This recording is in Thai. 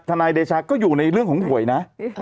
นายเดชาก็อยู่ในเรื่องของหวยนะ